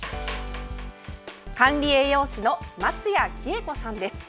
管理栄養士の松谷紀枝子さんです。